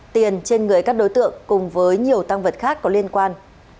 tiền trên người các đối tượng cùng với nhiều tăng vật khác có liên quan